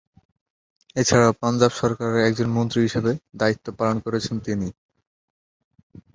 এছাড়া, পাঞ্জাব সরকারের একজন মন্ত্রী হিসেবেও দায়িত্ব পালন করেছেন তিনি।